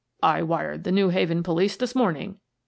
" I wired the New Haven police this morning."